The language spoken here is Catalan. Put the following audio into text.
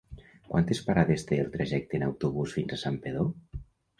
Quantes parades té el trajecte en autobús fins a Santpedor?